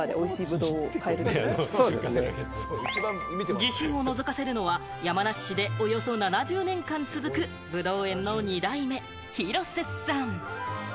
自信をのぞかせるのは、山梨市でおよそ７０年間続くブドウ園の２代目・広瀬さん。